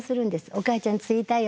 「おかあちゃん着いたよ」